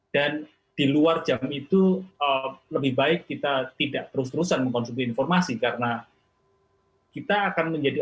dan di luar jam itu lebih baik kita tidak terus terusan mengkonsumsi informasi karena kita akan menjadi